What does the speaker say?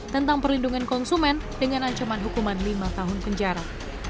tentang perlindungan konsumen dengan ancaman hukuman lima tahun penjara